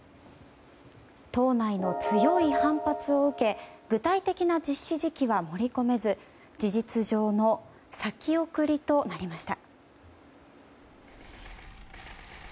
党内の強い反発を受け具体的な実施時期は盛り込めず事実上の先送りとなりました。